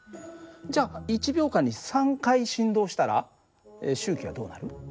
じゃあ１秒間に３回振動したら周期はどうなる？